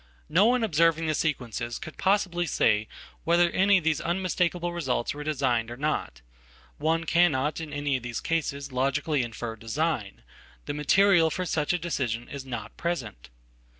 No one observing the sequences couldpossibly say whether any of these unmistakable results weredesigned or not. One cannot in any of these cases logically inferdesign. The material for such a decision is not present.